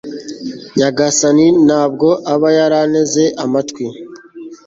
nyagasani nta bwo aba yaranteze amatwi